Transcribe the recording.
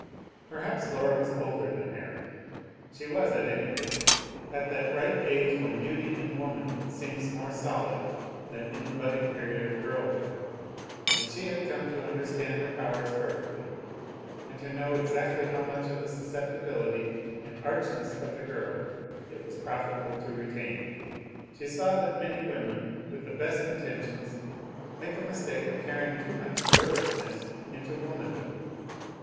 Perhaps Laura was older than Harry. She was, at any rate, at that ripe age when beauty in woman seems more solid than in the budding period of girlhood, and she had come to understand her powers perfectly, and to know exactly how much of the susceptibility and archness of the girl it was profitable to retain. She saw that many women, with the best intentions, make a mistake of carrying too much girlishness into womanhood.